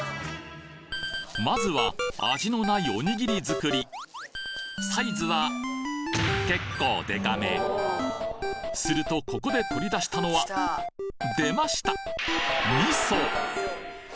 まずは味のないおにぎり作りサイズは結構デカめするとここで取り出したのはでました味噌！